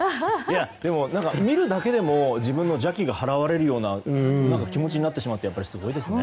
でも、見るだけでも自分の邪気が払われる気持ちになってすごいですね。